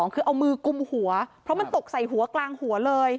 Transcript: คือเอามือกุมหัวเพราะมันตกใส่หัวกลางหัวเลย